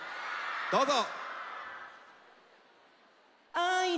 どうぞ！